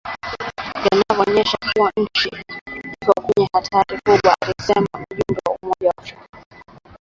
vinaonyesha kuwa nchi iko kwenye hatari kubwa alisema mjumbe wa Umoja wa Afrika